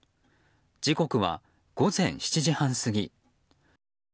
時刻は午前７時半過ぎ。